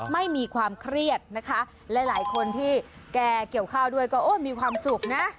ไม่มีความเครียดนะคะหลายคนที่แกเกี่ยวข้าวด้วยก็โอ้ยมีความสุขนะ